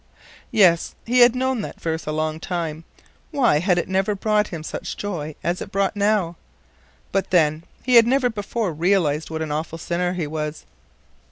Yes, he had known that verse a long time, why had it never brought him such joy as it brought now? But then, he had never before realized what an awful sinner he was.